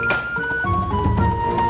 semarang semarang semarang